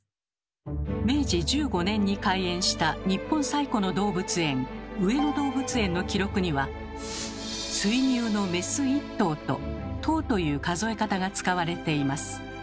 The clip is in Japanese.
明治１５年に開園した日本最古の動物園上野動物園の記録には「水牛のメス１頭」と「頭」という数え方が使われています。